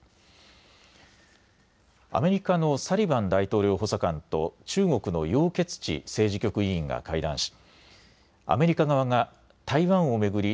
アメリカのサリバン大統領補佐官と中国の楊潔ち政治局委員が会談しアメリカ側が台湾を巡り